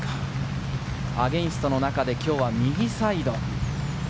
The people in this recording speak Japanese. アゲンストの中で今日は右サイド。